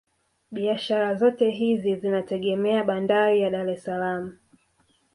Biashara zote hizi zinategemea bandari ya Dar es salaam